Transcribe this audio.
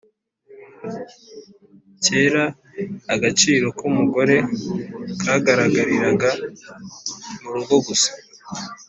Kera agaciro k’umugore kagaragariraga mu rugo gusa